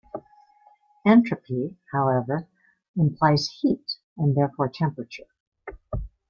Entropy, however, implies heat and therefore temperature.